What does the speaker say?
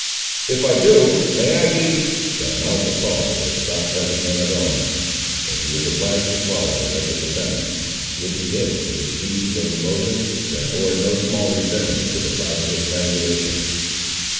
"If I do, may I b—!" The mouth of Paul was stopped by the hand of Ellen, and he was obliged to swallow the rest of the sentence, which he did with a species of emotion that bore no slight resemblance to the process of strangulation.